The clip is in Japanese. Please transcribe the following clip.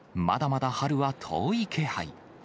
まだまだ春は遠い気配。